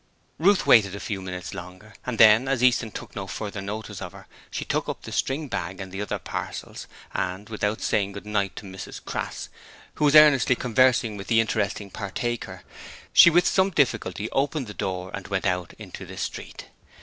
Ruth waited a few minutes longer, and then as Easton took no further notice of her, she took up the string bag and the other parcels, and without staying to say good night to Mrs Crass who was earnestly conversing with the interesting Partaker she with some difficulty opened the door and went out into the street.